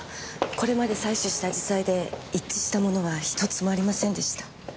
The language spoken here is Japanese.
これまで採取した紫陽花で一致したものは１つもありませんでした。